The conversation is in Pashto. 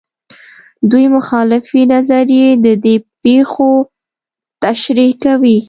دوې مخالفې نظریې د دې پېښو تشریح کوي.